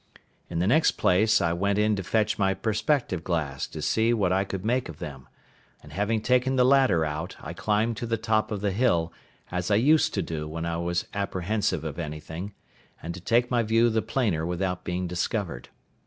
In the next place I went in to fetch my perspective glass to see what I could make of them; and having taken the ladder out, I climbed up to the top of the hill, as I used to do when I was apprehensive of anything, and to take my view the plainer without being discovered.